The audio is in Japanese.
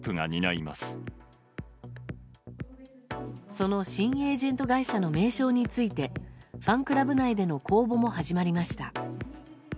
その新エージェント会社の名称についてファンクラブ内での公募も始まりました。